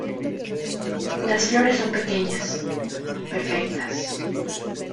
Las flores son pequeñas, imperfectas.